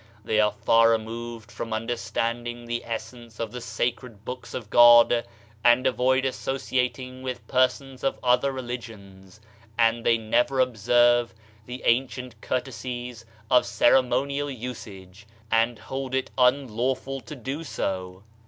They are far removed from understanding the essence of the sacred Books of God, and avoid asso ciating with persons of other religions, and they never observe the ancient courtesies of ceremonial usage, and hold it unlawful to do so.